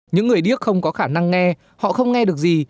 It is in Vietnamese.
những người điếc không có khả năng nghe họ không nghe được gì